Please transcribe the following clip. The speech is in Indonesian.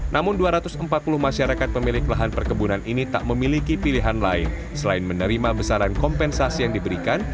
namun dua ratus empat puluh masyarakat pemilik lahan perkebunan ini tak memiliki pilihan lain selain menerima besaran kompensasi yang diberikan